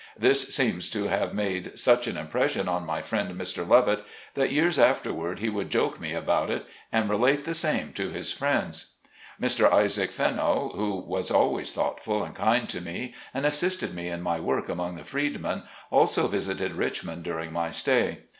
This seems to have made such an impression on my friend Mr. Lovett, that years afterward, he would joke me about it, and relate the same to his friends. Mr. Isaac Fenno, who was always thoughtful and kind to me, and assisted me in my work among the freedmen, also visited Richmond during my stay.